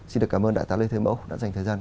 xin được cảm ơn đại tá lê thế mẫu đã dành thời gian